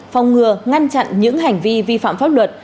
phòng ngừa ngăn chặn những hành vi vi phạm pháp luật